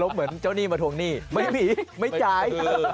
อรบเหมือนเจ้าหนี้มาทงหนี้ไม่มีไม่ใช่